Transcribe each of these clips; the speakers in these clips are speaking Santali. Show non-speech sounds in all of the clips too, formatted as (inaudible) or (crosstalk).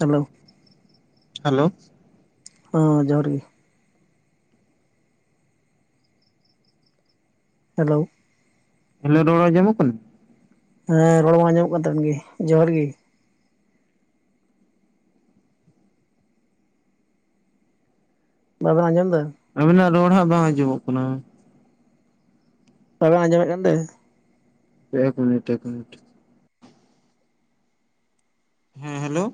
ᱦᱮᱞᱳ ᱦᱮᱞᱳ ᱦᱚᱸ ᱡᱚᱦᱟᱨ ᱜᱤ ᱦᱮᱞᱳ ᱦᱮᱞᱳ ᱨᱚᱲ ᱟᱸᱡᱚᱢᱚᱜ ᱠᱟᱱᱟ᱾ ᱦᱮᱸ ᱨᱚᱲ ᱢᱟ ᱟᱸᱡᱚᱢᱚᱜ ᱠᱟᱱ ᱛᱟᱵᱮᱱ ᱜᱮ ᱡᱚᱦᱟᱨ ᱜᱮᱤ ᱵᱟᱵᱮᱱ ᱟᱸᱡᱚᱢ ᱫᱟ ᱟᱵᱤᱱᱟᱜ ᱨᱚᱲ ᱦᱟᱸᱜ ᱵᱟᱝ ᱟᱸᱡᱚᱢᱚᱜ ᱠᱟᱱᱟ ᱵᱟᱵᱮᱱ ᱟᱸᱡᱚᱢᱮᱫ ᱠᱟᱱ ᱛᱮ ᱮᱠ ᱢᱤᱱᱤᱴ ᱮᱠ ᱢᱤᱱᱤᱴ ᱦᱮᱸ ᱦᱮᱞᱳ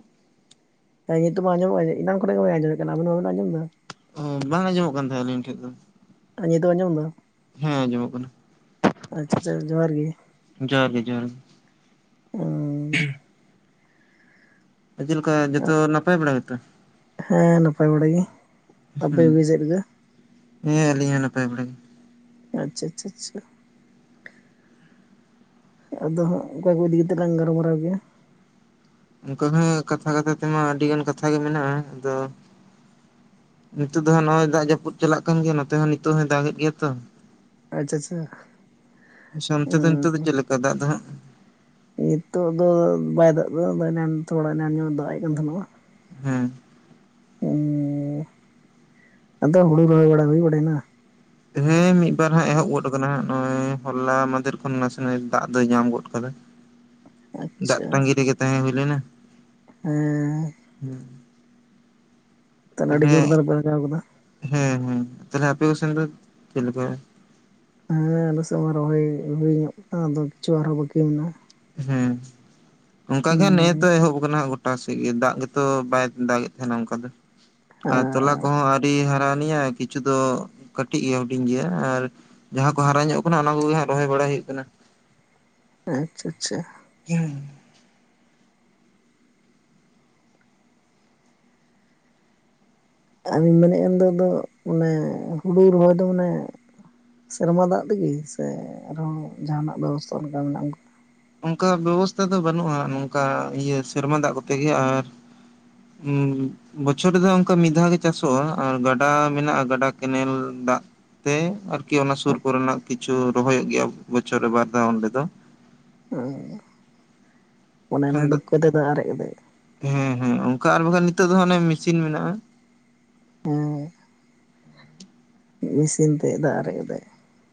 ᱦᱮ ᱱᱤᱛ ᱢᱟ ᱟᱸᱡᱚᱢᱚᱜᱼᱟ ᱮᱱᱟᱝ ᱠᱷᱚᱱᱱᱟᱜ ᱜᱮ ᱵ ᱟᱸᱡᱚᱢᱮᱫ ᱠᱟᱱᱟ ᱟᱵᱮᱱ ᱵᱟᱵᱮᱱ ᱟᱸᱡᱚᱢᱫᱟ ᱚ ᱵᱟᱝ ᱟᱸᱡᱚᱢᱚᱜ ᱠᱟᱱ ᱛᱟᱦᱮᱸᱱ ᱟᱹᱞᱤᱧ ᱴᱷᱮᱡ ᱫᱚ ᱫᱚ ᱟᱡᱚᱢ ᱮᱫᱟ (unintelligible) ᱦᱮᱸ ᱟᱸᱡᱚᱢᱚᱜ ᱠᱟᱱᱟ ᱟᱪᱪᱷᱟ ᱪᱷᱟ ᱡᱚᱦᱟᱸᱨ ᱜᱮ ᱩ ᱦ ᱪᱮᱫ ᱞᱮᱠᱟ ᱡᱚᱛᱚ ᱱᱟᱯᱟᱭ ᱵᱟᱲᱟ ᱜᱮᱛᱚ ᱦᱮᱸ ᱱᱟᱯᱟᱭ ᱵᱟᱲᱟ ᱜᱮ ᱟᱯᱮ ᱠᱚᱜᱮ ᱪᱮᱫ ᱞᱮᱠᱟ ᱦᱩ ᱦᱮᱸ ᱟᱹᱞᱤᱧ ᱦᱚᱸ ᱱᱟᱯᱟᱭ ᱵᱟᱲᱟ ᱜᱮ ᱟᱪᱪᱷᱟ ᱪᱷᱟ ᱪᱷᱟ ᱟᱫᱚ ᱦᱚᱸᱜ ᱚᱠᱟ ᱠᱚ ᱤᱫᱤ ᱠᱟᱛᱮᱫ ᱞᱟᱝ ᱜᱟᱲᱢᱟᱨᱟᱣ ᱜᱮᱭᱟ ᱚᱱᱠᱟ ᱦᱚᱸ ᱠᱟᱛᱷᱟ ᱠᱟᱛᱷᱟ ᱛᱮᱢᱟ ᱟᱹᱰᱤ ᱜᱟᱱ ᱠᱟᱛᱷᱟ ᱜᱮ ᱢᱮᱱᱟᱜᱼᱟ ᱟᱫᱚ ᱱᱤᱛᱚᱜ ᱫᱚᱦ ᱦᱟᱜ ᱱᱚᱜ-ᱚᱭ ᱫᱟᱜ ᱡᱟᱹᱯᱩᱫ ᱪᱟᱞᱟᱜ ᱠᱟᱱ ᱜᱮᱭᱟ ᱱᱚᱛᱮ ᱦᱚᱸ ᱱᱤᱛᱚᱜ ᱦᱚᱸᱭ ᱫᱟᱜ ᱮᱫ ᱜᱮᱭᱟ ᱛᱚ ᱟᱪᱪᱷᱟ ᱟᱪᱪᱷᱟ ᱟᱪᱪᱷᱟ ᱚᱱᱛᱮ ᱫᱚ ᱱᱤᱛᱚᱜ ᱫᱚ ᱪᱮᱫ ᱞᱮᱠᱟ ᱫᱟᱜ ᱫᱚ ᱦᱟᱜ ᱱᱤᱛᱚᱜ ᱫᱚ ᱵᱟᱭ ᱫᱟᱜ ᱫᱟ ᱮᱱᱟᱝ ᱛᱷᱚᱲᱟ ᱮᱱᱟᱝ ᱧᱚᱜ ᱫᱟᱜ ᱮᱫ ᱠᱟᱱ ᱛᱟᱦᱮᱸᱱᱟ ᱦᱮᱸ ᱚ ᱟᱫᱚ ᱦᱩᱲᱩ ᱨᱚᱦᱚᱭ ᱵᱟᱲᱟ ᱦᱩᱭ ᱜᱚᱱ ᱮᱱᱟ ᱦᱮᱸ ᱢᱤᱫ ᱵᱟᱨ ᱦᱟᱸᱜ ᱮᱦᱚᱵ ᱜᱚᱫ ᱟᱠᱟᱱᱟ ᱱᱚᱜᱚᱭ ᱦᱚᱞᱟ ᱢᱟᱫᱷᱮᱨ ᱠᱷᱚᱱ ᱱᱟᱥᱮ ᱱᱟᱜ ᱫᱟᱜ ᱫᱚᱭ ᱧᱟᱢ ᱜᱚᱫ ᱟᱠᱟᱫᱟᱭ ᱫᱟᱜ ᱟᱪᱪᱷᱟ ᱴᱟᱺᱜᱤ ᱨᱮᱜᱮ ᱛᱟᱦᱮᱸ ᱦᱩᱭ ᱞᱮᱱᱟ ᱦᱮᱸ ᱦᱩ ᱛᱟᱦᱚᱞᱮ ᱟᱹᱰᱤ ᱡᱳᱨ ᱫᱟᱨ ᱯᱮ ᱞᱟᱜᱟᱣ ᱠᱟᱫᱟ ᱦᱮᱸ ᱦᱮᱸ ᱛᱟᱦᱚᱞᱮ ᱟᱯᱮ ᱠᱚ ᱥᱮᱱ ᱫᱚ ᱪᱮᱫ ᱞᱮᱠᱟ ᱦᱮᱸ ᱟᱞᱮ ᱥᱮᱫ ᱢᱟ ᱨᱚᱦᱚᱭ ᱦᱩᱭ ᱧᱚᱜ ᱠᱟᱱᱟ ᱟᱫᱚ ᱠᱤᱪᱷᱩ ᱟᱨᱦᱚᱸ ᱵᱟᱹᱠᱤ ᱢᱮᱱᱟᱜᱼᱟ ᱦᱮᱸ ᱚᱱᱠᱟᱜᱮ ᱱᱤᱛ ᱦᱩᱸ ᱮᱦᱚᱵ ᱟᱠᱟᱱᱟ ᱜᱚᱴᱟ ᱥᱮᱫ ᱜᱮ ᱫᱟᱜ ᱜᱮᱛᱚ ᱵᱟᱭ ᱫᱟᱜ ᱮᱫ ᱛᱟᱦᱮᱸᱱᱟ ᱚᱱᱠᱟ ᱫᱚ ᱟᱨ ᱛᱚᱞᱟ ᱠᱚᱦᱚᱸ ᱟᱹᱰᱤ ᱦᱟᱨᱟ ᱱᱤᱭᱟᱭ ᱠᱤᱪᱷᱩ ᱫᱚ ᱠᱟᱹᱴᱤᱡ ᱜᱮᱭᱟ ᱦᱩᱰᱤᱧ ᱜᱮᱭᱟ ᱟᱨ ᱡᱟᱦᱟᱸ ᱠᱚ ᱦᱟᱨᱟ ᱧᱚᱜ ᱠᱟᱱᱟ ᱚᱱᱟ ᱠᱚ ᱜᱮ ᱦᱟᱸᱜ ᱨᱚᱦᱚᱭ ᱵᱟᱲᱟᱭ ᱦᱩᱭᱩᱜ ᱠᱟᱱᱟ ᱟᱪᱪᱷᱟ ᱟᱪᱪᱷᱟ ᱦᱮᱸ (unintelligible) ᱟᱮᱧ ᱢᱮᱱᱮᱫ ᱠᱟᱱᱫᱚ ᱫᱚ ᱟᱱᱮ ᱦᱩᱲᱩ ᱨᱚᱦᱚᱭ ᱫᱚ ᱢᱟᱱᱮ (unintelligible) ᱥᱮᱨᱢᱟ ᱫᱟᱜ ᱛᱮᱜᱮ ᱥᱮ ᱟᱨᱚᱸ ᱡᱟᱦᱟᱱᱟᱜ ᱵᱮᱵᱚᱥᱛᱟ ᱚᱱᱠᱟ ᱢᱮᱱᱟᱜ ᱩᱱᱠᱩ ᱚᱱᱠᱟ ᱵᱮᱵᱚᱥᱛᱷᱟ ᱫᱚ ᱵᱟᱹᱱᱩᱜᱼᱟ ᱱᱚᱝᱠᱟ ᱤᱭᱟᱹ ᱥᱮᱨᱢᱟ ᱫᱟᱜ ᱠᱚᱛᱮ ᱜᱮ ᱟᱨ ᱦᱩᱸ ᱵᱚᱪᱷᱚᱨ ᱨᱮᱫᱚ ᱚᱱᱠᱟ ᱢᱤᱫ ᱫᱷᱟᱣ ᱜᱮ ᱪᱟᱥᱚᱜᱼᱟ ᱟᱨ ᱜᱟᱰᱟ ᱢᱮᱱᱟᱜᱼᱟ ᱜᱟᱰᱟ ᱠᱮᱱᱮᱞ ᱫᱟᱜ ᱛᱮ ᱟᱨᱠᱤ ᱚᱱᱟ ᱥᱩᱨ ᱠᱚᱨᱮᱱᱟᱜ ᱠᱤᱪᱷᱩ ᱨᱚᱦᱚᱭᱚᱜ ᱜᱮᱭᱟ ᱵᱚᱪᱷᱚᱨ ᱨᱮ ᱵᱟᱨ ᱫᱷᱟᱣ ᱚᱸᱰᱮ ᱫᱚ (inaudible) ᱚᱱᱮ ᱚᱱᱟ ᱰᱩᱠᱟᱹ ᱛᱮᱫᱚ ᱟᱨᱮᱡ ᱦᱮᱸ ᱦᱮᱸ ᱚᱱᱠᱟ ᱟᱨ ᱵᱟᱝᱠᱷᱟᱱ ᱱᱤᱛᱚᱜ ᱫᱚ ᱦᱟ ᱚᱱᱮ ᱢᱮᱥᱤᱱ ᱢᱮᱱᱟᱜᱼᱟ ᱦᱩᱹ ᱢᱮᱥᱤᱱ ᱛᱮ ᱫᱟᱜ ᱟᱨᱮᱡ ᱫᱟᱭ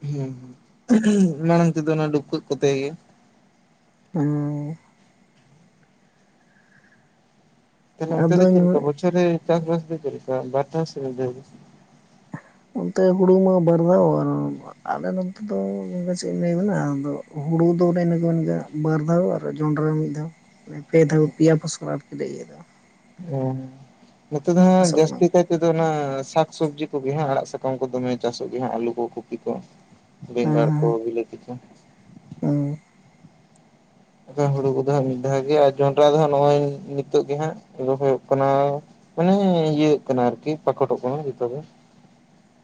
ᱦᱮᱸ ᱢᱟᱲᱟᱝ ᱛᱮᱫᱚ ᱚᱱᱟ ᱰᱩᱠᱟᱹᱜ ᱠᱚᱛᱮ ᱜᱮ ᱢ ᱛᱟᱦᱞᱮ ᱚᱱᱛᱮ ᱫᱚ ᱪᱮᱫ ᱟᱫᱚᱧ ᱞᱮᱠᱟ ᱵᱚᱪᱷᱚᱨ ᱨᱮ ᱪᱟᱥ ᱵᱟᱥ ᱫᱚ ᱪᱮᱫ ᱞᱮᱠᱟ ᱵᱟᱨ ᱫᱷᱟᱣ ᱥᱮ ᱢᱤᱫ ᱫᱷᱟᱣ ᱜᱮ ᱚᱱᱛᱮ ᱦᱩᱲᱩ ᱢᱟ ᱵᱟᱨ ᱫᱷᱟᱣ ᱟᱞᱮ ᱱᱚᱱᱛᱮ ᱫᱚ ᱜᱚᱝᱠᱮ ᱪᱮᱫ ᱤᱧ ᱞᱟᱹᱭ ᱟᱵᱮᱱᱟ ᱟᱫᱚ ᱦᱩᱲᱩ ᱫᱚ ᱱᱮ ᱤᱱᱟᱹ ᱵᱟᱨ ᱫᱷᱟᱣ ᱟᱨ ᱡᱚᱸᱰᱨᱟ ᱢᱤᱫ ᱫᱷᱟᱣ ᱯᱮ ᱫᱷᱟᱣ ᱯᱮᱭᱟ ᱯᱷᱚᱥᱚᱞ ᱟᱨᱠᱤ ᱤᱭᱟᱹ ᱫᱚ ᱚ ᱱᱤᱛᱚᱜ ᱫᱚ ᱪᱟᱥᱚᱜ ᱠᱟᱱᱟ ᱡᱟᱹᱥᱛᱤ ᱠᱟᱭ ᱛᱮᱫᱚ ᱚᱱᱟ ᱥᱟᱠ ᱥᱚᱵᱽᱡᱤ ᱠᱚᱜᱮ ᱦᱜ ᱟᱲᱟᱜ ᱥᱟᱠᱟᱢ ᱠᱚ ᱫᱚᱢᱮ ᱪᱟᱥᱚᱜ ᱜᱮ ᱦᱟᱜ ᱟᱞᱩ ᱠᱚ ᱠᱚᱯᱤ ᱠᱚ ᱵᱮᱸᱜᱟᱲ ᱠᱚ ᱵᱤᱞᱟᱛᱤ ᱠᱚ ᱚᱸ ᱮ ᱦᱩᱲᱩ ᱠᱚᱫᱚ ᱦᱟᱸᱜ ᱢᱤᱫ ᱫᱷᱟᱣ ᱜᱮ ᱟᱨ ᱡᱚᱱᱰᱨᱟ ᱫᱚ ᱦᱟᱜ ᱱᱚᱜᱼᱚᱭ ᱱᱤᱛᱚᱜ ᱜᱮ ᱦᱟᱸᱜ ᱨᱚᱦᱚᱭᱚᱜ ᱠᱟᱱᱟ ᱢᱟᱱᱮ ᱤᱭᱟᱹᱜ ᱠᱟᱱᱟ ᱟᱨᱠᱤ ᱯᱟᱠᱚᱴᱚᱜ ᱠᱟᱱᱟ ᱡᱚᱛᱚᱜᱮ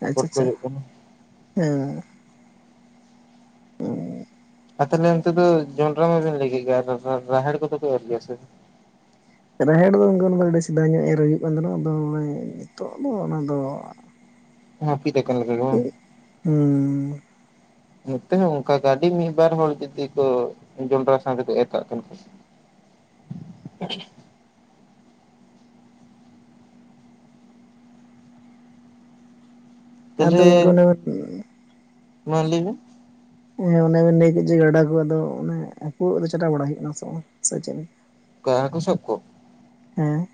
ᱟᱪᱪᱷᱟ ᱟᱪᱪᱷᱟ ᱦᱮᱸ ᱚ ᱟᱨ ᱛᱟᱦᱚᱞᱮ ᱚᱱᱛᱮ ᱫᱚ ᱡᱚᱱᱰᱨᱟ ᱢᱟᱵᱤᱱ ᱞᱟᱹᱭ ᱠᱮᱫ ᱜᱮᱭᱟ ᱨᱟᱦᱮᱲ ᱠᱚᱫᱚ ᱠᱚ ᱮᱨ ᱜᱮᱭᱟ ᱥᱮ ᱨᱟᱦᱮᱲ ᱫᱚ ᱚᱱᱠᱟ ᱫᱚ ᱟᱹᱰᱤ ᱥᱮᱫᱟᱭ ᱧᱚᱜ ᱮᱨ ᱦᱩᱭᱩᱜ ᱠᱟᱱ ᱛᱟᱦᱮᱱᱟ ᱟᱫᱚ ᱟᱱᱮ ᱱᱤᱛᱚᱜ ᱫᱚ ᱚᱱᱟ ᱫᱚ ᱦᱟᱹᱯᱤᱫ ᱟᱠᱟᱱ ᱞᱮᱠᱟ ᱜᱮ ᱠᱤ ᱵᱟᱝ ᱱᱚᱛᱮ ᱚᱱᱠᱟ ᱜᱟᱹᱰᱤ ᱢᱤᱫ ᱵᱟᱨ ᱦᱚᱲ ᱡᱩᱫᱤ ᱠᱚ ᱡᱚᱱᱰᱨᱟ ᱥᱟᱶ ᱮ ᱠᱟᱜ ᱠᱟᱱᱟ ᱠᱚ ᱟᱫᱚ ᱛᱟᱞᱦᱮ ᱜᱚᱝᱠᱮ ᱚᱱᱮ ᱵᱮᱱ ᱢᱟ ᱞᱟᱹᱭ ᱢᱮ ᱦᱮᱸ ᱚᱱᱮ ᱵᱮᱱ ᱞᱟᱹᱭ ᱠᱮᱫ ᱡᱮ ᱜᱟᱰᱟ ᱠᱚ ᱟᱫᱚ ᱚᱱᱮ ᱦᱟᱠᱩ ᱫᱚ ᱪᱟᱴᱟᱣ ᱵᱟᱲᱟ ᱦᱩᱭᱩᱜ ᱠᱟᱱᱟ ᱥᱮ ᱵᱟᱝ ᱥᱮ ᱪᱮᱫ ᱞᱮᱠᱟ ᱠᱟ ᱦᱟᱠᱩ ᱥᱟᱵ ᱠᱚ ᱦᱮᱸ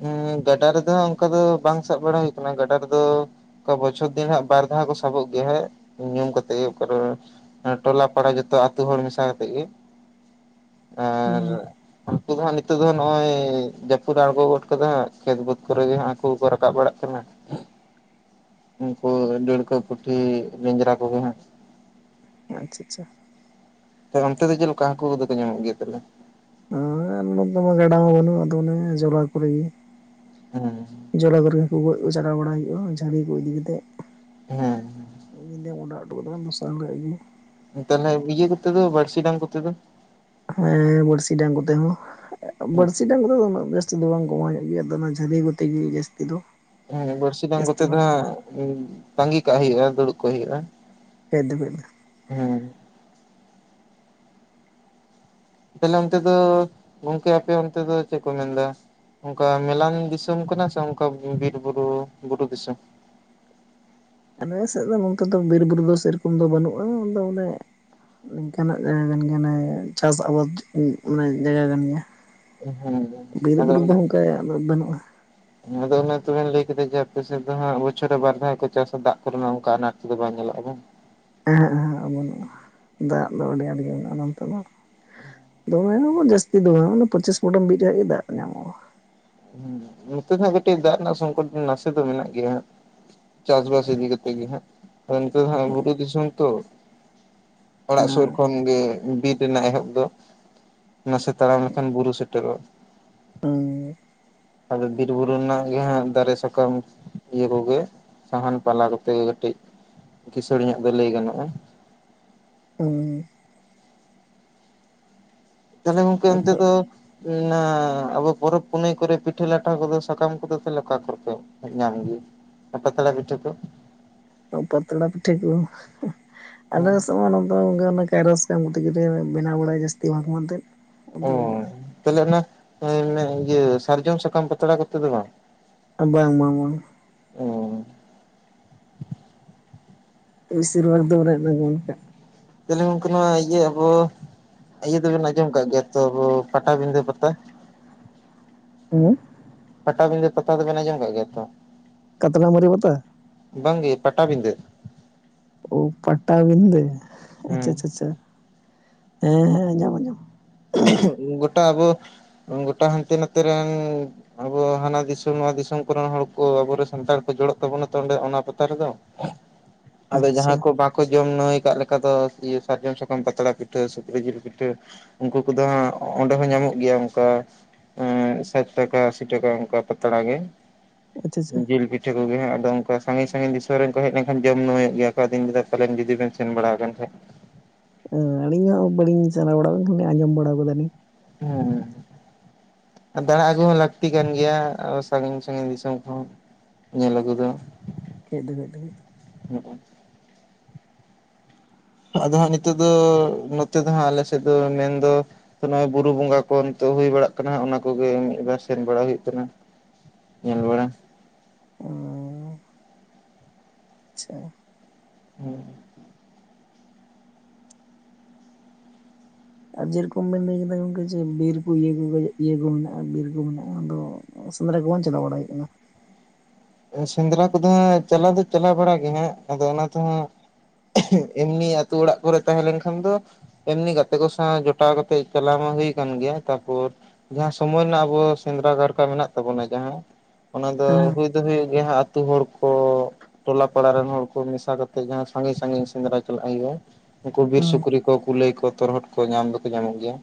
ᱦᱸ ᱜᱟᱰᱟ ᱨᱮᱫᱚ ᱚᱱᱠᱟ ᱫᱚ ᱵᱟᱝ ᱥᱟᱵ ᱵᱟᱲᱟ ᱦᱩᱭ ᱟᱠᱟᱱᱟ ᱜᱟᱰᱟ ᱨᱮᱫᱚ ᱚᱠᱟ ᱵᱚᱪᱷᱚᱨ ᱫᱤᱱ ᱦᱟᱸᱜ ᱵᱟᱨ ᱫᱷᱟᱣ ᱠᱚ ᱥᱟᱵᱚᱜ ᱜᱮᱭᱟ ᱦᱟᱸᱜ ᱧᱩᱢ ᱠᱟᱛᱮᱜ ᱜᱮᱠᱟᱨ ᱴᱚᱞᱟ ᱯᱟᱲᱟ ᱡᱚᱛᱚ ᱟᱛᱩ ᱦᱚᱲ ᱢᱮᱥᱟ ᱠᱟᱛᱮᱜ ᱜᱮ (inaudible) ᱟᱨ ᱩᱱᱠᱩ ᱫᱚ ᱦᱟᱸᱜ ᱱᱤᱛᱚᱜ ᱫᱚ ᱱᱚᱜᱼᱚᱭ ᱡᱟᱹᱯᱩᱫ ᱟᱬᱜᱚ ᱠᱚᱫᱚ ᱦᱟᱸᱜ ᱠᱷᱮᱛ ᱵᱟᱹᱫᱽ ᱠᱚᱨᱮᱜ ᱜᱮ ᱦᱟᱠᱩ ᱠᱚ ᱨᱟᱠᱟᱵ ᱵᱟᱲᱟᱜ ᱠᱟᱱᱟ ᱩᱱᱠᱩ ᱰᱟᱲᱠᱚᱹ ᱯᱩᱴᱷᱤ ᱞᱮᱧᱡᱨᱟ ᱠᱚᱜᱮ ᱦᱟᱜ ᱟᱪᱪᱷᱟ ᱟᱪᱪᱷᱟ ᱛᱟᱦᱮ ᱚᱱᱛᱮ ᱫᱚ ᱪᱮᱫ ᱞᱮᱠᱟ ᱦᱟᱹᱠᱩ ᱠᱚᱫᱚᱠᱚ ᱧᱟᱢᱚᱜ ᱜᱮᱭᱟ ᱛᱟᱦᱮ ᱦᱮᱸ ᱜᱟᱰᱟ ᱢᱟ ᱵᱟᱹᱱᱩᱜ ᱟᱫᱚ ᱚᱱᱮ ᱡᱚᱞᱟ ᱠᱚᱨᱮ ᱜᱮ ᱚ ᱦᱚᱸ ᱡᱚᱞᱞᱟ ᱜᱟᱹᱨᱟᱹ ᱠᱚ ᱜᱚᱡ ᱠᱚ ᱪᱟᱞᱟᱣ ᱵᱟᱲᱟ ᱦᱩᱭᱩᱜᱼᱟ ᱡᱷᱟᱹᱲᱤ ᱠᱚ ᱤᱫᱤ ᱠᱟᱛᱮ ᱤᱧ ᱚᱰᱟᱜ ᱡᱚᱴᱚ ᱠᱟᱫᱟ ᱫᱚᱥᱚᱫ ᱜᱮᱭᱟ ᱛᱟᱞᱮ ᱤᱭᱟᱹᱮ ᱠᱚᱛᱚ ᱵᱚᱲᱥᱤ ᱰᱟᱝ ᱠᱚᱛᱮ ᱫᱚ ᱦᱮᱸ ᱵᱚᱞᱥᱤ ᱰᱟᱝ ᱠᱚᱛᱮ ᱦᱚᱸ ᱵᱟᱹᱲᱥᱤ ᱰᱟᱝ ᱠᱚᱫᱚ ᱫᱚ ᱩᱱᱟᱹᱜ ᱡᱟᱹᱥᱛᱤ ᱫᱚ ᱵᱟᱝ ᱠᱚᱢᱟᱣ ᱧᱚᱜ ᱜᱮᱭᱟ ᱟᱫᱚ ᱚᱱᱟ ᱡᱷᱟᱹᱞᱤ ᱠᱚᱛᱮ ᱜᱮ ᱡᱟᱹᱥᱛᱤ ᱫᱚ ᱦᱮᱸ ᱵᱟᱹᱲᱥᱤ ᱫᱟᱝ ᱡᱟᱹᱥᱛᱤ ᱠᱚᱛᱮ ᱫᱚ ᱵᱷᱟᱜᱽ ᱦᱟᱜ ᱛᱟᱸᱜᱤ ᱠᱟᱜ ᱦᱩᱭᱩᱜᱼᱟ ᱫᱩᱲᱩᱵ ᱠᱚᱜ ᱦᱩᱭᱩᱜᱼᱟ ᱯᱷᱮᱫ ᱫᱚ ᱯᱷᱮᱫ ᱞᱮᱱᱟ ᱦᱮᱸ ᱛᱟᱦᱞᱮ ᱚᱱᱛᱮ ᱫᱚ ᱜᱚᱝᱠᱮ ᱟᱯᱮ ᱚᱱᱛᱮ ᱫᱚ ᱪᱮᱫ ᱠᱚ ᱢᱮᱱᱫᱟ ᱚᱱᱠᱟ ᱢᱮᱞᱟᱱ ᱫᱤᱥᱚᱢ ᱠᱟᱱᱟ ᱥᱮ ᱚᱱᱠᱟ ᱵᱤᱨ ᱵᱩᱨᱩ ᱵᱩᱨᱩ ᱫᱤᱥᱚᱢ ᱟᱞᱮ ᱥᱮᱫ ᱫᱚ ᱱᱚᱝᱠᱟ ᱫᱚ ᱵᱤᱨᱼᱵᱩᱨᱩ ᱫᱚ ᱥᱮᱨᱚᱠᱚᱢ ᱫᱚ ᱵᱟᱹᱱᱩᱜᱼᱟ ᱟᱫᱚ ᱚᱱᱮ ᱾ ᱱᱤᱝᱠᱟᱱᱟᱜ ᱡᱟᱭᱜᱟ ᱠᱟᱱ ᱜᱮᱭᱟ ᱪᱟᱥ ᱟᱵᱟᱫ ᱢᱟᱱᱮ ᱡᱟᱭᱜᱟ ᱠᱟᱱ ᱜᱮᱭᱟ ᱾ ᱦᱮᱸ ᱟᱫᱚ ᱵᱤᱨᱼᱵᱩᱨᱩ ᱫᱚ ᱚᱱᱟ ᱚᱱᱠᱟ ᱫᱚ ᱵᱟᱹᱱᱩᱜᱼᱟ ᱾ ᱟᱫᱚ ᱚᱱᱟ ᱛᱚᱵᱮᱱ ᱞᱟᱹᱭ ᱠᱮᱫᱟ ᱡᱮ ᱟᱯᱮ ᱥᱮᱫ ᱫᱚ ᱦᱟᱜ ᱵᱚᱪᱷᱚᱨ ᱨᱮ ᱵᱟᱨ ᱫᱷᱟᱣ ᱠᱚ ᱪᱟᱥᱟ ᱫᱟᱜ ᱠᱚᱨᱮᱱᱟᱜ ᱚᱱᱠᱟ ᱟᱱᱟᱴ ᱠᱚ ᱫᱚ ᱵᱟᱝ ᱧᱮᱞᱚᱜᱼᱟ ᱵᱟᱝ ᱾ ᱦᱮᱸ ᱵᱟᱹᱱᱩᱜᱼᱟ ᱫᱟᱜ ᱫᱚ ᱟᱹᱰᱤ ᱟᱸᱴ ᱜᱮ ᱢᱮᱱᱟᱜᱼᱟ ᱱᱚᱱᱛᱮ ᱫᱚ ᱾ ᱫᱚᱢᱮ ᱦᱚᱸ ᱵᱟᱝ ᱡᱟᱹᱥᱛᱤ ᱫᱚ ᱯᱚᱸᱪᱤᱥ ᱯᱷᱚᱴᱚᱢ ᱵᱤᱜ ᱨᱮᱭᱟᱜ ᱜᱮ ᱫᱟᱜ ᱧᱟᱢᱚᱜᱼᱟ ᱾ ᱦᱮᱸ ᱱᱚᱛᱮ ᱫᱚᱜ ᱠᱟᱹᱴᱤᱡ ᱫᱟᱜ ᱨᱮᱱᱟᱜ ᱥᱚᱝᱠᱚᱴ ᱫᱚ ᱱᱟᱥᱮ ᱫᱚ ᱢᱮᱱᱟᱜ ᱜᱮᱭᱟ ᱦᱟᱜ ᱾ ᱪᱟᱥ ᱵᱟᱥ ᱤᱫᱤ ᱠᱟᱛᱮᱜ ᱜᱮᱦᱟ ᱱᱚᱛᱮ ᱫᱚ ᱵᱩᱨᱩ ᱫᱤᱥᱚᱢᱚᱱ ᱛᱚ ᱾ ᱚᱲᱟᱜ ᱥᱩᱨ ᱠᱷᱚᱱᱜᱮ ᱵᱤᱨ ᱨᱮᱱᱟᱜ ᱮᱦᱚᱵ ᱫᱚ ᱱᱟᱥᱮ ᱛᱟᱲᱟᱢ ᱞᱮᱠᱷᱟᱱ ᱵᱩᱨᱩ ᱥᱮᱴᱮᱨᱚᱜᱼᱟ ᱾ ᱦᱮᱸ ᱟᱫᱚ ᱵᱤᱨ ᱵᱩᱨᱩ ᱨᱮᱱᱟᱜ ᱜᱮ ᱦᱟᱸᱜ ᱫᱟᱨᱮ ᱥᱟᱠᱟᱢ ᱤᱭᱟᱹ ᱠᱚᱜᱮ ᱾ ᱥᱟᱦᱟᱱ ᱯᱟᱞᱟ ᱠᱚᱛᱮ ᱠᱟᱹᱴᱤᱡ ᱠᱤᱥᱟᱹᱲ ᱧᱚᱜ ᱜᱮ ᱞᱟᱹᱭ ᱜᱟᱱᱚᱜᱼᱟ ᱾ ᱦᱩᱸ ᱾ ᱛᱟᱦᱚᱞᱮ ᱜᱚᱢᱠᱮ ᱚᱱᱛᱮ ᱟᱫᱚ ᱫᱚ ᱾ ᱱᱟ ᱟᱵᱚ ᱯᱚᱨᱵᱽ ᱯᱩᱱᱟᱹᱭ ᱠᱚᱨᱮ ᱯᱤᱴᱷᱟᱹ ᱞᱟᱴᱷᱟ ᱠᱚᱫᱚ ᱥᱟᱠᱟᱢ ᱠᱚᱫᱚ ᱛᱟᱦᱚᱞᱮ ᱚᱠᱟ ᱠᱚᱨᱮ ᱯᱮ ᱾ ᱧᱟᱢ ᱜᱮ ᱯᱟᱛᱲᱟ ᱯᱤᱴᱷᱟᱹ ᱠᱚ ᱾ ᱚᱸ ᱯᱟᱛᱲᱟ ᱯᱤᱴᱷᱟᱹ ᱠᱚ ᱟᱞᱮ ᱥᱮᱱ ᱢᱟ ᱱ ᱾ ᱟᱫᱚ ᱚᱱᱠᱟ ᱚᱱᱟ ᱠᱟᱭᱨᱟ ᱥᱟᱠᱟᱢ ᱛᱮ ᱜᱮ ᱞᱮ ᱵᱮᱱᱟᱣ ᱵᱟᱲᱟᱭᱟ ᱡᱟᱹᱥᱛᱤ ᱢᱟᱡᱷᱮ ᱢᱚᱫᱫᱷᱮ ᱟᱫᱚ ᱛᱟᱦᱞᱮ ᱚᱱᱟ ᱤᱭᱟᱹ ᱥᱟᱨᱡᱚᱢ ᱥᱟᱠᱟᱢ ᱯᱟᱛᱲᱟ ᱠᱚᱛᱮ ᱫᱚ ᱵᱟᱝ ᱾ ᱵᱟᱝ ᱵᱟᱝ ᱵᱟᱝ ᱾ ᱵᱤᱥᱤᱨᱵᱟᱫᱽ ᱫᱚᱣᱨᱱᱟ ᱜᱚᱢᱠᱟ (unintelligible) ᱛᱟᱦᱚᱞᱮ ᱜᱚᱢᱠᱮ ᱱᱚᱣᱟ ᱤᱭᱟᱹ ᱟᱵᱚ ᱤᱭᱟᱹ ᱫᱚᱵᱮᱱ ᱟᱸᱡᱚᱢ ᱟᱠᱟᱫ ᱜᱮᱭᱟ ᱛᱚ ᱟᱵᱚ ᱯᱟᱴᱟᱵᱤᱫᱟᱹ ᱯᱟᱛᱟ ᱾ ᱦᱩᱸ ᱯᱟᱴᱟᱵᱤᱫᱟᱹ ᱯᱟᱛᱟ ᱫᱚ ᱵᱮᱱ ᱟᱸᱡᱚᱢ ᱟᱠᱟᱫ ᱜᱮᱭᱟ ᱛᱚ ᱾ ᱠᱟᱛᱨᱟ ᱢᱚᱨᱩ ᱯᱟᱛᱟ ᱾ ᱵᱟᱝ ᱜᱮ ᱯᱟᱴᱟᱵᱤᱫᱟᱹ ᱾ ᱚ ᱯᱟᱴᱟᱵᱤᱫᱟᱹ ᱟᱪᱪᱷᱟ ᱦᱮᱸ ᱟᱪᱪᱷᱟ ᱪᱷᱟ ᱦᱮᱸ ᱦᱮᱸ ᱟᱸᱡᱚᱢ ᱟᱸᱡᱚᱢ ᱾ ᱜᱳᱴᱟ ᱟᱵᱚ ᱜᱳᱴᱟ ᱦᱟᱱᱛᱮ ᱱᱟᱛᱮ ᱨᱮᱱ ᱾ ᱟᱵᱚ ᱦᱟᱱᱟ ᱫᱤᱥᱚᱢ ᱱᱚᱣᱟ ᱫᱤᱥᱚᱢ ᱠᱚ ᱨᱮᱱ ᱦᱚᱲ ᱠᱚ ᱟᱵᱚ ᱨᱮᱱ ᱥᱟᱱᱛᱟᱲ ᱠᱚ ᱡᱚᱲᱚᱜ ᱛᱟᱵᱚᱱᱟ ᱛᱚ ᱚᱸᱰᱮ ᱚᱱᱟ ᱯᱟᱛᱟ ᱨᱮᱫᱚ ᱾ (unintelligible) ᱟᱫᱚ ᱟᱪᱪᱷᱟ ᱡᱟᱦᱟᱸ ᱠᱚ ᱵᱟ ᱾ ᱠᱚ ᱡᱚᱢ ᱱᱟᱹᱣᱟᱹᱭ ᱟᱠᱟᱫ ᱞᱮᱠᱟ ᱫᱚ ᱤᱭᱟᱹ ᱥᱟᱨᱡᱚᱢ ᱥᱟᱠᱟᱢ ᱯᱟᱛᱲᱟ ᱯᱤᱴᱷᱟᱹ ᱥᱩᱠᱨᱤ ᱡᱤᱞ ᱯᱤᱴᱷᱟᱹ ᱩᱱᱠᱩ ᱾ ᱩᱱᱠᱩ ᱫᱚ ᱦᱟᱸᱜ ᱚᱸᱰᱮ ᱦᱚᱸ ᱧᱟᱢᱚᱜ ᱜᱮᱭᱟ ᱚᱱᱠᱟ ᱾ ᱥᱟᱴ ᱴᱟᱠᱟ ᱟᱥᱤ ᱴᱟᱠᱟ ᱚᱱᱠᱟ ᱯᱟᱛᱲᱟ ᱜᱮ ᱟᱪᱪᱷᱟ ᱟᱪᱪᱷᱟ ᱡᱤᱞ ᱯᱤᱴ--᱾ ᱴᱷᱟᱹ ᱠᱚᱜᱮ ᱦᱟᱜ ᱟᱫᱚ ᱚᱱᱠᱟ ᱥᱟᱺᱜᱤᱧ ᱥᱟᱺᱜᱤᱧ ᱫᱤᱥᱚᱢ ᱨᱮᱱ ᱠᱚ ᱦᱮᱡ ᱞᱮᱱᱟᱱ ᱡᱚᱢ ᱱᱟᱹᱣᱟᱹᱭᱚᱜ ᱜᱮᱭᱟᱠᱟ ᱟᱫᱚᱧ ᱞᱟᱹᱭ ᱮᱫᱟ ᱯᱟᱞᱮᱱ ᱡᱚᱫᱤ ᱵᱮᱱ ᱥᱮᱱ ᱵᱟᱲᱟ ᱟᱠᱟᱱ ᱠᱷᱟᱱ ᱾ ᱟᱹᱞᱤᱧ ᱦᱚᱸ ᱵᱟᱞᱤᱧ ᱪᱟᱞᱟᱣ ᱵᱟᱲᱟ ᱟᱠᱟᱱᱟ ᱠᱷᱟᱞᱤ ᱟᱸᱡᱚᱢ ᱵᱟᱲᱟ ᱟᱠᱟᱫᱟᱞᱤᱧ ᱾ ᱦᱮᱸ ᱦᱮᱸ ᱾ ᱫᱟᱬᱟ ᱟᱹᱜᱩ ᱦᱚᱸ ᱞᱟᱹᱠᱛᱤ ᱠᱟᱱ ᱜᱮᱭᱟ ᱥᱟᱺᱜᱤᱧ ᱥᱟᱺᱜᱤᱧ ᱫᱤᱥᱚᱢ ᱠᱚᱦᱚ ᱾ ᱧᱮᱞ ᱟᱜᱩ ᱫᱚ ᱾ ᱠᱷᱮᱫ ᱵᱮᱫ ᱜᱮ ᱾ ᱦᱩᱸᱩᱜ ᱾ ᱟᱫᱚ ᱦᱟᱸᱜ ᱱᱤᱛᱚᱜ ᱫᱚ ᱱᱚᱛᱮ ᱫᱚ ᱦᱟᱸᱜ ᱟᱞᱮ ᱥᱮᱫ ᱫᱚ ᱢᱮᱱᱫᱚ ᱾ ᱱᱚᱜᱼᱚᱭ ᱵᱩᱨᱩ ᱵᱚᱸᱜᱟ ᱠᱚ ᱱᱤᱛᱚᱜ ᱦᱩᱭ ᱵᱟᱲᱟᱜ ᱠᱟᱱᱟ ᱚᱱᱟ ᱠᱚᱜᱮ ᱢᱤᱫᱵᱟᱨ ᱥᱮᱱ ᱵᱟᱲᱟ ᱦᱩᱭᱩᱜ ᱠᱟᱱᱟ ᱧᱮᱞ ᱵᱟᱲᱟ ᱚ ᱟᱪᱪᱷᱟ ᱾ ᱦᱮᱸ ᱾ ᱟᱨ ᱡᱮᱨᱚᱠᱚᱢ ᱵᱮᱱ ᱞᱟᱹᱭ ᱠᱮᱫᱟ ᱜᱚᱝᱠᱮ ᱡᱮ ᱵᱤᱨ ᱠᱚ ᱤᱭᱟᱹ ᱠᱚ ᱤᱭᱟᱹ ᱠᱚ ᱢᱮᱱᱟᱜᱼᱟ ᱵᱤᱨ ᱠᱚ ᱢᱮᱱᱟᱜᱼᱟ ᱟᱫᱚ ᱾ ᱥᱮᱸᱫᱽᱨᱟ ᱠᱚ ᱵᱟᱝ ᱪᱟᱞᱟᱣ ᱵᱟᱲᱟ ᱦᱩᱭᱩᱜ ᱠᱟᱱᱟ ᱾ ᱥᱮᱸᱫᱽᱨᱟ ᱠᱚᱫᱚ ᱦᱟᱸᱜ ᱪᱟᱞᱟᱣ ᱫᱚ ᱪᱟᱞᱟᱣ ᱵᱟᱲᱟᱜ ᱜᱮ ᱦᱟᱸᱜ ᱟᱫᱚ ᱚᱱᱟ ᱛᱮᱦᱚᱸ ᱾ ᱮᱢᱱᱤ ᱟᱛᱩ ᱚᱲᱟᱜ ᱠᱚᱨᱮ ᱛᱟᱦᱮᱸ ᱞᱮᱱᱠᱷᱟᱱ ᱫᱚ ᱾ ᱦᱮ ᱞᱤᱱᱤᱝ ᱜᱟᱛᱮ ᱠᱚ ᱥᱟᱶ ᱡᱚᱴᱟᱣ ᱠᱟᱛᱮ ᱪᱟᱞᱟᱣ ᱢᱟ ᱦᱩᱭ ᱠᱟᱱ ᱜᱮᱭᱟ ᱛᱟᱯᱚᱨ ᱾ ᱡᱟᱦᱟᱸ ᱥᱚᱢᱚᱭ ᱨᱮᱱᱟᱜ ᱟᱵᱚ ᱥᱮᱸᱫᱽᱨᱟ ᱠᱟᱨᱠᱟ ᱢᱮᱱᱟᱜ ᱛᱟᱵᱚᱱᱟ ᱡᱟᱦᱟᱸ ᱚᱱᱟ ᱫᱚ ᱠᱟᱱᱟ ᱦᱩᱭ ᱾ ᱦᱩᱭᱩᱜ ᱜᱮᱭᱟ ᱦᱟᱸᱜ ᱟᱛᱳ ᱦᱚᱲ ᱠᱚ ᱾ ᱴᱚᱞᱟ ᱯᱟᱲᱟ ᱨᱮᱱ ᱦᱚᱲ ᱠᱚ ᱢᱮᱥᱟ ᱠᱟᱛᱮᱜ ᱡᱟᱦᱟᱸ ᱥᱟᱺᱜᱤᱧ ᱥᱟᱜᱤᱧ ᱥᱮᱸᱫᱽᱨᱟ ᱪᱟᱞᱟᱜ ᱦᱩᱭᱩᱜᱼᱟ᱾ ᱩᱱᱠᱩ ᱵᱤᱨ ᱦᱮᱸ ᱦᱮᱸ ᱥᱩᱠᱨᱤ ᱠᱚ ᱠᱩᱞᱟᱹᱭ ᱠᱚ ᱛᱚᱨᱦᱚᱫ ᱠᱚ ᱧᱟᱢ ᱫᱚᱠᱚ ᱧᱟᱢᱚᱜ ᱜᱮᱭᱟ᱾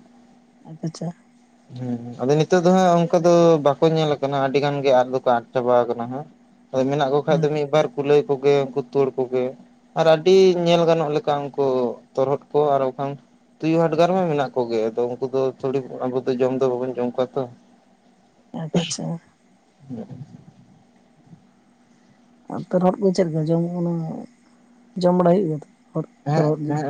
ᱟᱪᱪᱷᱟ ᱟᱪᱪᱷᱟ᱾ ᱦᱮᱸ ᱟᱫᱚ ᱱᱤᱛᱚᱜ ᱫᱚ ᱦᱟᱸᱜ ᱚᱱᱠᱟ ᱫᱚ ᱵᱟᱠᱚ ᱧᱮᱞ ᱟᱠᱟᱱᱟ ᱟᱹᱰᱤ ᱜᱟᱱ ᱜᱮ ᱟᱫ ᱫᱚ ᱠᱚ ᱟᱫ ᱪᱟᱵᱟ ᱟᱠᱟᱱᱟ ᱟᱫᱚ ᱢᱮᱱᱟᱜ ᱠᱚ ᱠᱷᱟᱱ ᱟᱪᱪᱷᱟ ᱫᱚ ᱢᱤᱫᱵᱟᱨ ᱠᱩᱞᱟᱹᱭ ᱠᱚᱜᱮ ᱩᱱᱠᱩ ᱛᱩᱲ ᱠᱚᱜᱮ ᱟᱨ ᱟᱹᱰᱤ ᱧᱮᱞ ᱜᱟᱱᱚᱜ ᱞᱮᱠᱟ ᱩᱱᱠᱩ ᱛᱚᱨᱦᱚᱫ ᱠᱚ ᱟᱨ ᱵᱟᱝ ᱠᱷᱟᱱ ᱛᱩᱭᱩ ᱦᱟᱰᱜᱟᱨ ᱦᱚᱸ ᱢᱮᱱᱟᱜ ᱠᱚ ᱜᱮᱭᱟ ᱟᱫᱚ ᱩᱱᱠᱩ ᱛᱷᱚᱲᱤ ᱟᱵᱚ ᱡᱚᱢ ᱫᱚ ᱵᱟᱵᱚᱱ ᱡᱚᱢ ᱠᱚᱣᱟ ᱛᱚ ᱟᱪᱪᱷᱟ (unintelligible) ᱛᱚᱨᱦᱚᱫ ᱠᱚ ᱪᱮ ᱞᱮᱠᱟ ᱡᱚᱢ ᱵᱟᱲᱟ ᱦᱩᱭᱩᱜ ᱜᱮᱭᱟ ᱛᱚ᱾ ᱛᱚᱨᱦᱚᱫ ᱦᱮᱸᱜ ᱛᱚᱨᱦᱚᱫ ᱡᱤᱞ ᱦᱮᱸᱜ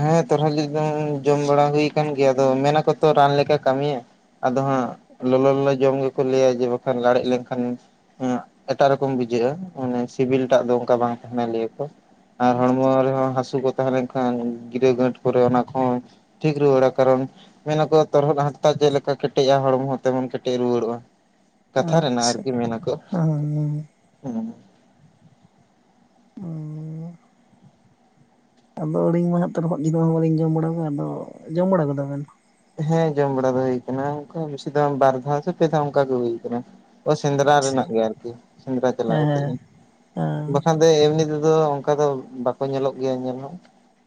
ᱦᱮᱸ ᱛᱚᱨᱦᱚᱫ ᱡᱤᱞ ᱫᱚ ᱡᱚᱢ ᱵᱟᱲᱟ ᱦᱩᱭ ᱟᱠᱟᱱ ᱜᱮᱭᱟ ᱟᱫᱚ ᱢᱮᱱᱟ ᱠᱚ ᱛᱚ ᱨᱟᱱ ᱞᱮᱠᱟ ᱠᱟᱹᱢᱤᱭᱟ᱾ ᱟᱫᱚ ᱦᱟᱸᱜ ᱞᱚᱞᱚ ᱞᱚᱞᱚ ᱡᱚᱢ ᱜᱮᱠᱚ ᱞᱟᱹᱭᱟ ᱡᱮ ᱵᱟᱠᱷᱟᱱ ᱞᱮᱱᱠᱷᱟᱱ ᱦᱮᱸ ᱮᱴᱟᱜ ᱨᱚᱠᱚᱢ ᱵᱩᱡᱷᱟᱹᱜᱼᱟ ᱢᱟᱱᱮ ᱥᱤᱵᱤᱞ ᱴᱟᱜ ᱫᱚ ᱚᱱᱠᱟ ᱵᱟᱝ ᱛᱟᱦᱮᱱᱟ ᱞᱟᱹᱭᱟ ᱠᱚ᱾ ᱟᱨ ᱟᱪᱪᱷᱟ ᱦᱚᱲᱢᱚ ᱨᱮᱦᱚᱸ ᱦᱟᱹᱥᱩ ᱠᱚ ᱛᱟᱦᱮᱸ ᱞᱮᱱ ᱠᱷᱟᱱ ᱜᱤᱨᱟᱹ ᱜᱟᱹᱴ ᱠᱚᱨᱮ ᱚᱱᱟ ᱠᱚᱦᱚᱸ ᱴᱷᱤᱠ ᱨᱩᱣᱟᱹᱲᱟ ᱠᱟᱨᱚᱱ ᱢᱮᱱᱟᱠᱚ ᱛᱚᱨᱦᱚᱫ ᱦᱟᱛᱛᱟ ᱪᱮᱫ ᱞᱮᱠᱟ ᱠᱮᱴᱮᱡᱼᱟ ᱦᱚᱲᱢᱚ ᱦᱚᱸ ᱛᱮᱢᱚᱱ ᱠᱮᱴᱮᱡ ᱨᱩᱣᱟᱹᱲᱚᱜᱼᱟ᱾ ᱠᱟᱛᱷᱟ ᱨᱮᱱᱟᱜ ᱟᱪᱪᱷᱟ ᱟᱨᱠᱤ ᱢᱮᱱᱟᱠᱚ ᱦᱮᱸ (inaudible) ᱦᱮᱸ (unintelligible) ᱟᱫᱚ ᱟᱹᱞᱤᱧ ᱢᱟ ᱛᱚᱨᱦᱚᱫ ᱡᱤᱞ ᱢᱟ ᱵᱟᱹᱞᱤᱧ ᱡᱚᱢ ᱵᱟᱲᱟ ᱠᱚᱣᱟ ᱟᱫᱚ ᱡᱚᱢ ᱵᱟᱲᱟ ᱟᱠᱟᱫᱟ ᱵᱮᱱ ᱦᱮᱸ ᱡᱚᱢ ᱵᱟᱲᱟ ᱫᱚ ᱦᱩᱹᱭ ᱟᱠᱟᱱᱟᱠᱟ ᱵᱤᱥ ᱵᱟᱨ ᱫᱷᱟᱣ ᱥᱮ ᱯᱮ ᱫᱷᱟᱣ ᱚᱱᱠᱟ ᱜᱮ ᱦᱩᱭ ᱟᱠᱟᱱᱟ᱾ ᱥᱮᱸᱫᱽᱨᱟ ᱟᱪᱪᱷᱟ ᱨᱮᱱᱟᱜ ᱜᱮ ᱟᱨᱠᱤ ᱥᱮᱸᱫᱽᱨᱟ ᱪᱟᱞᱟᱣ ᱦᱮᱸ ᱠᱟᱛᱮ ᱦᱮᱸ ᱜᱮ ᱦᱮᱸ ᱵᱟᱠᱷᱟᱱ ᱛᱮ ᱮᱢᱱᱤ ᱛᱮᱫᱚ ᱚᱱᱠᱟ ᱫᱚ ᱵᱟᱠᱚ ᱧᱮᱞᱚᱜ ᱜᱮᱭᱟ ᱧᱮᱞ ᱦᱚᱸ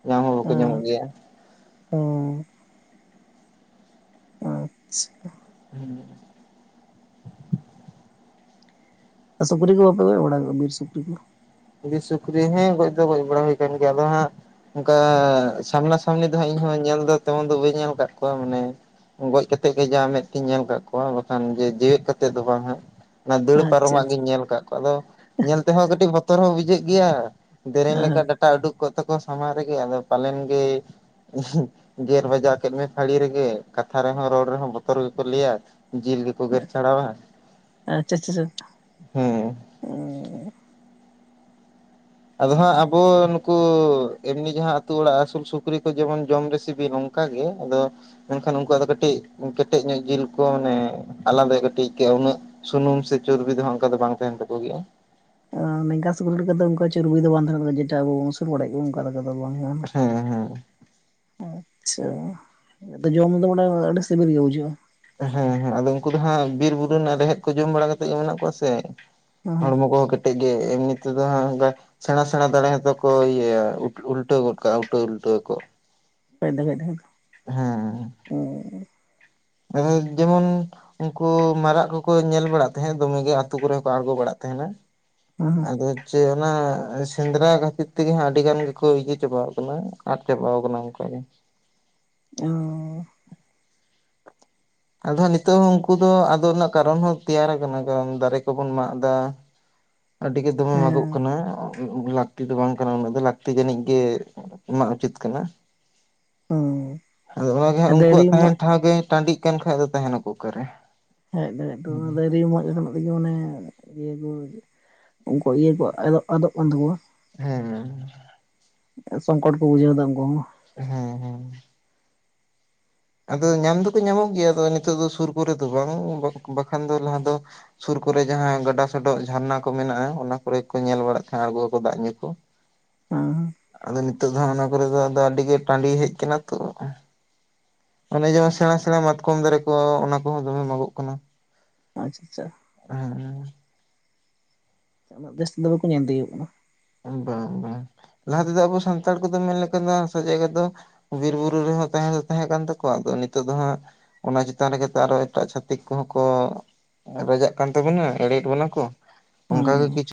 ᱧᱟᱢ ᱦᱚᱸ ᱵᱟᱠᱚ ᱧᱟᱢᱚᱜ ᱜᱮᱭᱟ᱾ ᱚᱻ ᱟᱪᱪᱷᱟ ᱦᱮᱸᱻ ᱥᱩᱠᱨᱤ ᱠᱚ ᱵᱟᱯᱮ ᱜᱚᱡ ᱵᱟᱲᱟ ᱠᱚᱣᱟ ᱵᱤᱨ ᱥᱩᱠᱨᱤ ᱠᱚ ᱵᱤᱨ ᱥᱩᱠᱨᱤ ᱦᱮᱸ ᱜᱚᱡ ᱫᱚ ᱜᱚᱡ ᱵᱟᱲᱟ ᱦᱩᱭ ᱟᱠᱟᱱ ᱜᱮᱭᱟ ᱟᱫᱚ ᱦᱟᱸᱜ ᱚᱱᱠᱟ ᱥᱟᱢᱱᱟ ᱥᱟᱢᱱᱤ ᱫᱚ ᱦᱟᱜ ᱤᱧ ᱦᱚᱸ ᱧᱮᱞ ᱫᱚ ᱛᱮᱢᱚᱱ ᱫᱚ ᱵᱟᱹᱧ ᱧᱮᱞ ᱟᱠᱟᱫ ᱠᱚᱣᱟ ᱢᱟᱱᱮ ᱜᱚᱡ ᱠᱟᱛᱮᱜ ᱜᱮ ᱡᱟ ᱢᱮᱫ ᱛᱮᱧ ᱧᱮᱞ ᱟᱠᱟᱫ ᱠᱚᱣᱟ ᱵᱟᱠᱷᱟᱱ ᱡᱮ ᱡᱮᱣᱮᱫ ᱠᱟᱛᱮᱫ ᱫᱚ ᱵᱟᱝ ᱦᱟᱜ᱾ ᱚᱱᱟ ᱫᱟᱹᱲ ᱟᱪᱪᱷᱟ ᱯᱟᱨᱚᱢᱟᱜ ᱟᱪᱪᱷᱟ ᱜᱤᱧ ᱧᱮᱞ ᱟᱠᱟᱫ ᱠᱚᱣᱟ ᱟᱫᱚ ᱧᱮᱞ ᱛᱮᱦᱚᱸ ᱠᱟᱹᱴᱤᱡ ᱵᱚᱛᱚᱨ ᱦᱚᱸ ᱵᱩᱡᱷᱟᱹᱜ ᱜᱮᱭᱟ᱾ ᱫᱮᱨᱮᱧ ᱦᱮᱸ ᱞᱮᱠᱟ ᱦᱮᱸ ᱰᱟᱴᱟ ᱩᱰᱩᱠ ᱠᱚᱜ ᱛᱟᱠᱚᱣᱟ ᱥᱟᱢᱟᱝ ᱨᱮᱜᱮ ᱟᱫᱚ ᱯᱟᱞᱮᱱ ᱜᱮᱻ (unintelligible) ᱜᱮᱨ ᱵᱟᱡᱟᱣ ᱠᱮᱫ ᱢᱮ ᱯᱷᱟᱹᱲᱤ ᱨᱮᱜᱮ ᱠᱟᱛᱷᱟ ᱨᱮᱦᱚᱸ ᱨᱚᱲ ᱨᱮᱦᱚᱸ ᱵᱚᱛᱚᱨ ᱜᱮᱠᱚ ᱞᱟᱹᱭᱟ ᱡᱤᱞ ᱜᱮᱠᱚ (inaudible) ᱟᱪᱪᱷᱟ ᱟᱪᱪᱷᱟ ᱦᱮᱸᱻ ᱱᱤᱝᱠᱟᱱ ᱟᱫᱚ ᱦᱟᱸᱜ ᱟᱵᱚᱻ ᱠᱩ ᱮᱢᱱᱤ ᱡᱟᱦᱟᱸ ᱟᱹᱛᱩ ᱚᱲᱟᱜ ᱟᱹᱥᱩᱞ ᱥᱩᱠᱨᱤ ᱠᱚ ᱡᱮᱢᱚᱱ ᱡᱚᱢ ᱨᱮ ᱥᱤᱵᱤᱞ ᱱᱚᱝᱠᱟ ᱜᱮ ᱟᱫᱚ ᱢᱮᱱᱠᱷᱟᱱ ᱩᱱᱠᱩᱣᱟᱜ ᱫᱚ ᱠᱟᱹᱴᱤᱡ ᱠᱮᱴᱮᱡ ᱧᱚᱜ ᱡᱤᱞ ᱠᱚ ᱢᱟᱱᱮ ᱟᱞᱟᱫ ᱠᱟᱹᱴᱤᱡ ᱟᱹᱭᱠᱟᱹᱜᱼᱟ ᱩᱱᱟᱹᱜ ᱥᱩᱱᱩᱢ ᱥᱮ ᱪᱚᱨᱵᱤ ᱫᱚ ᱦᱟᱜ ᱚᱱᱠᱟ ᱫᱚ ᱵᱟᱝ ᱛᱟᱦᱮᱱ ᱛᱟᱠᱚ ᱜᱮᱭᱟ᱾ ᱱᱮᱝᱜᱟ ᱥᱩᱠᱨᱤ ᱞᱮᱠᱟ ᱫᱚ ᱵᱟᱝ ᱛᱟᱦᱮᱸ ᱛᱟᱠᱚᱣᱟ ᱡᱮᱴᱟ ᱟᱵᱚ ᱟᱹᱪᱩᱨ ᱵᱟᱲᱟᱭ ᱜᱮ ᱚᱱᱠᱟ ᱞᱮᱠᱟ ᱫᱚ ᱵᱟᱝ (unintelligible) ᱦᱮᱸ ᱦᱮᱸ ᱟᱪᱪᱷᱟ ᱛᱚ ᱡᱚᱢ ᱫᱚ ᱢᱟᱱᱮ ᱟᱹᱰᱤ ᱥᱤᱵᱤᱞ ᱜᱮ ᱵᱩᱡᱷᱟᱹᱜᱼᱟ ᱦᱮᱸ ᱦᱮᱸ ᱟᱫᱚ ᱩᱱᱠᱩ ᱫᱚ ᱦᱟᱸᱜ ᱵᱤᱨ ᱵᱩᱨᱩ ᱨᱮᱱᱟᱜ ᱨᱮᱦᱮᱫ ᱠᱚ ᱡᱚᱢ ᱵᱟᱲᱟ ᱠᱟᱛᱮᱜ ᱜᱮ ᱢᱮᱱᱟᱜ ᱠᱚᱣᱟ ᱥᱮ᱾ ᱦᱮᱸ ᱦᱚᱲᱢᱚ ᱠᱚᱦᱚᱸ ᱠᱮᱴᱮᱡ ᱜᱮ ᱮᱢᱱᱤ ᱛᱮᱫᱚ ᱚᱱᱠᱟ᱾ ᱥᱮᱬᱟ ᱥᱮᱬᱟ ᱫᱟᱲᱮᱛᱚᱠᱚ ᱤᱭᱟᱹᱭᱟ ᱩᱞᱴᱟᱹᱣ ᱜᱚᱫ ᱠᱟᱜᱼᱟ ᱩᱞᱴᱟᱹᱣ ᱩᱞᱴᱟᱹᱣ ᱟᱠᱚ ᱯᱷᱟᱭᱫᱟ ᱜᱮ ᱛᱟᱦᱮᱱᱟ ᱦᱮᱸ ᱦᱮᱸᱻ (unintelligible) ᱟᱨ ᱡᱮᱢᱚᱱ ᱩᱱᱠᱩ ᱢᱟᱨᱟᱜ ᱠᱚᱠᱚ ᱧᱮᱞ ᱵᱟᱲᱟᱜ ᱛᱟᱦᱮᱸᱫ ᱫᱚᱢᱮᱜᱮ ᱟᱛᱩ ᱠᱚᱨᱮ ᱠᱚ ᱟᱬᱜᱚ ᱵᱟᱲᱟᱜ ᱛᱟᱦᱮᱸᱱᱟ ᱮᱦᱮᱜ ᱟᱫᱚ ᱪᱮᱫ ᱚᱱᱟ ᱥᱮᱸᱫᱽᱨᱟ ᱠᱷᱟᱹᱛᱤᱨ ᱛᱮᱜᱮ ᱦᱟᱸᱜ ᱟᱹᱰᱤ ᱜᱟᱱ ᱜᱮᱠᱚ ᱤᱭᱟᱹ ᱪᱟᱵᱟᱣ ᱠᱟᱱᱟ ᱟᱫ ᱪᱟᱵᱟᱣ ᱠᱟᱱᱟ ᱡᱷᱚᱛᱚ ᱜᱮ (unintelligible) ᱟᱫᱚ ᱦᱟᱸᱜ ᱱᱤᱛᱚᱜ ᱦᱚᱸ ᱩᱱᱠᱩ ᱫᱚ ᱟᱫᱚ ᱨᱮᱱᱟᱜ ᱠᱟᱨᱚᱱ ᱦᱚᱸ ᱛᱮᱭᱟᱨ ᱟᱠᱟᱱᱟ ᱠᱟᱨᱚᱱ ᱫᱟᱨᱮ ᱠᱚᱵᱚᱱ ᱢᱟᱜ ᱮᱫᱟ᱾ ᱟᱹᱰᱤ ᱜᱮ ᱫᱚᱢᱮ ᱢᱟᱜᱚᱜ ᱠᱟᱱᱟ ᱞᱟᱹᱠᱛᱤ ᱫᱚ ᱵᱟᱝ ᱠᱟᱱᱟ ᱩᱱᱟᱹᱜ ᱫᱚ ᱞᱟᱹᱠᱛᱤ ᱡᱟᱹᱱᱤᱡ ᱜᱮ ᱮᱢ ᱩᱪᱤᱛ ᱠᱟᱱᱟ᱾ ᱦᱮᱸ ᱟᱫᱚ ᱚᱱᱟᱜᱮ ᱦᱟᱸᱜ ᱦᱮᱸ ᱫᱟᱨᱮ ᱩᱱᱠᱩᱣᱟᱜ ᱢᱟᱜ ᱛᱟᱦᱮᱱ ᱴᱷᱟᱶ ᱜᱮ ᱴᱟᱺᱰᱤᱜ ᱠᱟᱱ ᱠᱷᱟᱱ ᱫᱚ ᱛᱟᱦᱮᱱᱟᱠᱚ ᱚᱠᱟᱨᱮ᱾ (unintelligible) ᱫᱟᱨᱮ ᱢᱚᱸ (unintelligible) ᱤᱭᱟᱹ ᱠᱚ ᱩᱱᱠᱩ ᱤᱭᱟᱹ ᱠᱚ ᱟᱫᱚᱜ ᱟᱫᱚᱜ ᱠᱟᱱ ᱛᱟᱠᱚᱶᱟ᱾ ᱦᱮᱸ ᱥᱚᱝᱠᱚᱴ ᱠᱚ ᱵᱩᱡᱷᱟᱹᱣ ᱫᱟ ᱩᱱᱠᱩ ᱦᱚᱸ ᱦᱮᱸ ᱦᱮᱸ ᱟᱫᱚ ᱧᱟᱢ ᱫᱚᱠᱚ ᱧᱟᱢᱚᱜ ᱜᱮᱭᱟ ᱟᱫᱚ ᱱᱤᱛᱚᱜ ᱫᱚ ᱥᱩᱨ ᱠᱚᱨᱮ ᱫᱚ ᱵᱟᱝ ᱵᱟᱠᱷᱟᱱ ᱫᱚ ᱞᱟᱦᱟ ᱫᱚ ᱥᱩᱨ ᱠᱚᱨᱮ ᱡᱟᱦᱟᱸ ᱜᱟᱰᱟ ᱥᱚᱰᱚᱜ ᱡᱷᱟᱨᱱᱟ ᱠᱚ ᱢᱮᱱᱟᱜᱼᱟ ᱚᱱᱟ ᱠᱚᱨᱮ ᱠᱚ ᱧᱮᱞ ᱵᱟᱲᱟᱜ ᱛᱟᱦᱮᱸᱫ ᱟᱲᱜᱳᱜ ᱟᱠᱚ ᱫᱟᱜ ᱧᱩ ᱠᱚ (inaudible) ᱟᱫᱚ ᱱᱤᱛᱚᱜ ᱫᱚ ᱚᱱᱟ ᱠᱚᱨᱮ ᱫᱚ ᱦᱟᱜ ᱟᱹᱰᱤ ᱜᱮ ᱴᱟᱺᱰᱤ ᱦᱮᱡ ᱟᱠᱟᱱᱟ ᱛᱚ ᱚᱱᱮ ᱡᱮᱢᱚᱱ ᱥᱮᱬᱟ ᱥᱮᱬᱟ ᱢᱟᱛᱠᱚᱢ ᱫᱟᱨᱮ ᱠᱚ ᱚᱱᱟ ᱠᱚᱦᱚᱸ ᱫᱚᱢᱮ ᱢᱟᱜᱚᱜ ᱠᱟᱱᱟ ᱟᱪᱪᱷᱟ ᱟᱪᱪᱷᱟ ᱦᱮᱸᱻ ᱩᱱᱟ. ᱜ ᱡᱟᱹᱥᱛᱤ ᱫᱚ ᱵᱟᱠᱚ ᱧᱮᱞ ᱛᱤᱭᱚᱜᱚᱜ ᱠᱟᱱᱟ ᱵᱟᱝ ᱵᱟᱝ ᱞᱟᱦᱟ ᱛᱮᱫᱚ ᱟᱵᱚ ᱥᱟᱱᱛᱟᱲ ᱠᱚᱫᱚ ᱢᱮᱱ ᱞᱮᱠᱷᱟᱱ ᱫᱚ ᱦᱟᱥᱟ ᱡᱟᱭᱜᱟ ᱫᱚ ᱵᱤᱨ ᱵᱩᱨᱩ ᱨᱮᱦᱚᱸ ᱛᱟᱦᱮᱸ ᱫᱚ ᱛᱟᱦᱮᱸ ᱠᱟᱱ ᱛᱟᱠᱚᱣᱟ ᱟᱫᱚ ᱱᱤᱛᱚᱜ ᱫᱚ ᱦᱟᱸᱜ ᱚᱱᱟ ᱪᱮᱛᱟᱱ ᱨᱮ ᱟᱨᱚ ᱮᱴᱟᱜ ᱪᱷᱟᱹᱛᱤᱠ ᱠᱚᱦᱚᱸ ᱠᱚ ᱨᱟᱡᱟᱜ ᱠᱟᱱ ᱛᱟᱵᱚᱱᱟ ᱮᱲᱭᱮᱫ ᱵᱚᱱᱟ ᱠᱚ ᱚᱱᱠᱟᱜᱮ ᱦᱮᱸ ᱠᱤᱪᱷᱩ